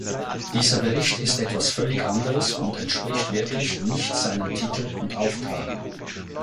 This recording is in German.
Dieser Bericht ist etwas völlig anderes und entspricht wirklich nicht seinem Titel und Auftrag.